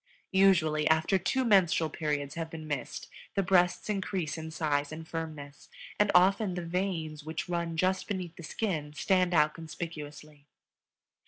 Usually, after two menstrual periods have been missed the breasts increase in size and firmness, and often the veins which run just beneath the skin stand out conspicuously.